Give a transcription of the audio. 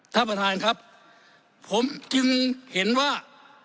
ท่านประธานครับผมจึงเห็นว่า